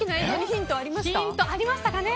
ヒントありましたかね。